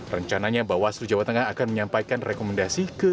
rencananya bawaslu jawa tengah akan menyampaikan rekomendasi ke